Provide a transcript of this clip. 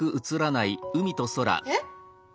えっ！